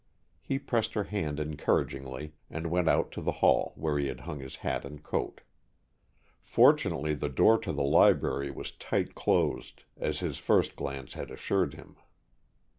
He pressed her hand encouragingly, and went out to the hall where he had hung his hat and coat. Fortunately the door to the library was tight closed, as his first glance had assured him.